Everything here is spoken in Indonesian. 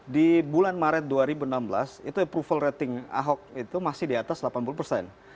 di bulan maret dua ribu enam belas itu approval rating ahok itu masih di atas delapan puluh persen